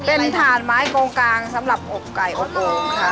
เป็นถ่านไม้โกงกลางสำหรับอบไก่อดโอ่งค่ะ